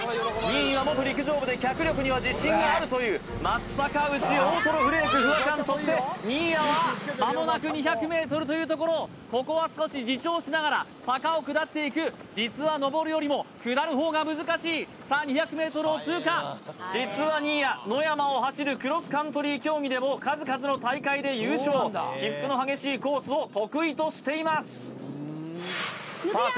２位は元陸上部で脚力には自信があるという松阪牛大とろフレークフワちゃんそして新谷はまもなく２００ｍというところここは少し自重しながら坂を下っていく実は上るよりも下る方が難しいさあ２００ｍを通過実は新谷野山を走るクロスカントリー競技でも数々の大会で優勝起伏の激しいコースを得意としていますさあ